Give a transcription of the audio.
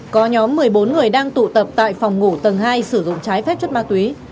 có nhóm một mươi bốn người đang tụ tập tại phòng ngủ tầng hai sử dụng trái phép chất ma túy